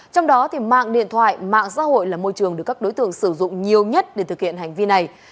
trong đó mạng điện thoại mạng xã hội là môi trường được các đối tượng sử dụng nhiều nhất để thực hiện hành vi này